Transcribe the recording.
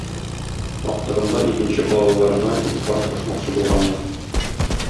Актыгында икенче балаларына Илфар кушмакчы булганнар.